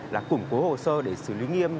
là củng cố hồ sơ để xử lý nghiêm